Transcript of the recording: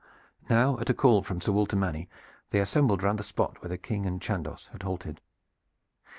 Now at a call from Sir Walter Manny they assembled round the spot where the King and Chandos had halted.